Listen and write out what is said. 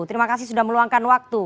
terima kasih sudah meluangkan waktu